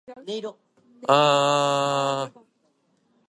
当たり前になった打ち上げ